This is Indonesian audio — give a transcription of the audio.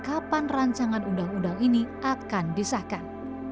kapan rancangan undang undang ini akan disahkan